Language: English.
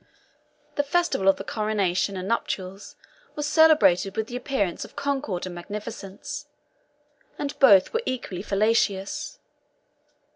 The festival of the coronation and nuptials was celebrated with the appearances of concord and magnificence, and both were equally fallacious.